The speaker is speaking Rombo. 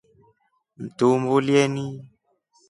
Mtuumbulyeni.